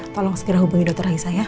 tolong segera hubungi dr raisa ya